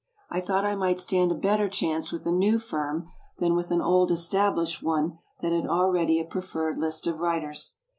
I thought I might stand a better chance with a new firm than with an old established one that had already a preferred list of writers.